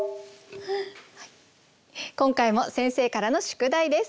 今回も先生からの宿題です。